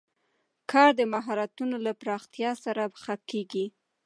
کار د مهارتونو له پراختیا سره ښه کېږي